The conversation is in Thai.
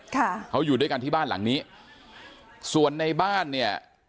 ค่ะเขาอยู่ด้วยกันที่บ้านหลังนี้ส่วนในบ้านเนี่ย